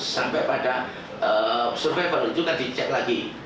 sampai pada survival juga dicek lagi